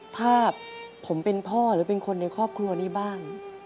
ถ้าผมเป็นพ่อหรือเป็นคนในครอบครัวนี้บ้าง